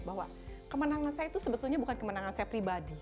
bahwa kemenangan saya itu sebetulnya bukan kemenangan saya pribadi